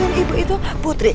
yang bantuin ibu itu putri